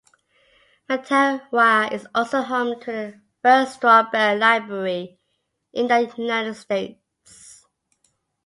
Mattawa is also home to the first straw bale library in the United States.